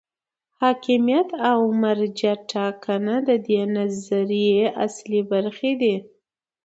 حاکمیت او مرجع ټاکنه د دې نظریې اصلي برخې دي.